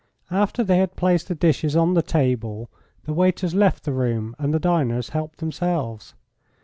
After they had placed the dishes on the table the waiters left the room and the diners helped themselves.